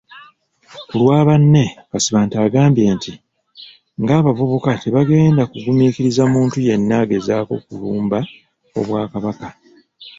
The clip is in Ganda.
Ku lwa banne, Kasibante agambye nti ng'abavubuka tebagenda kugumiikiriza muntu yenna agezaako kulumba Obwakabaka.